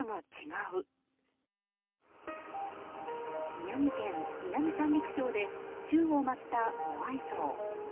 宮城県南三陸町で宙を舞ったモアイ像。